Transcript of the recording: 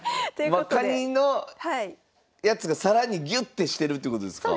カニのやつが更にギュッてしてるってことですか？